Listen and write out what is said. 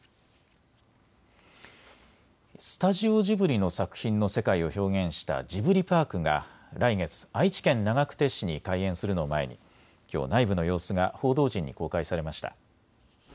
スタジオジブリの作品の世界を表現したジブリパークが来月、愛知県長久手市に開園するのを前にきょう内部の様子が報道陣に公開されました。